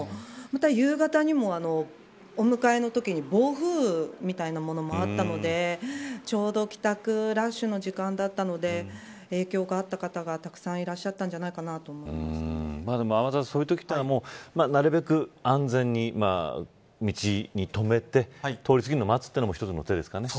また、夕方にもお迎えのときに暴風雨みたいなものもあったのでちょうど帰宅ラッシュの時間だったので影響があった方がたくさんいらっしゃったんじゃないか天達さん、そういうときってなるべく安全に道に止めて通り過ぎるのを待つのも一つの手ですかね。